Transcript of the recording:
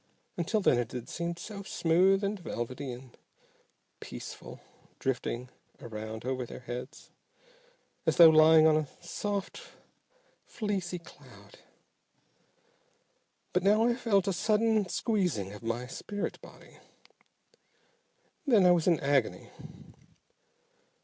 Until then it had seemed so smooth and velvety and peaceful drifting around over their heads, as though lying on a soft, fleecy cloud. But now I felt a sudden squeezing of my spirit body. Then I was in an agony.